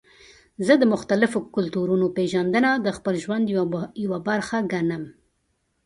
زه د مختلفو کلتورونو پیژندنه د خپل ژوند یوه برخه ګڼم.